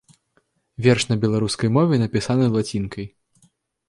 Верш на беларускай мове напісаны лацінкай.